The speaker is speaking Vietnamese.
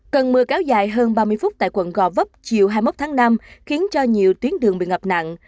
cơn mưa kéo dài hơn ba mươi phút tại quận gò vấp chiều hai mươi một tháng năm khiến cho nhiều tuyến đường bị ngập nặng